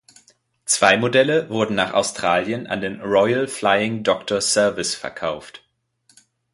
Zwei Modelle wurden nach Australien an den Royal Flying Doctor Service verkauft.